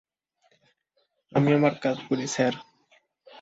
আমি আমার কাজ করি স্যার!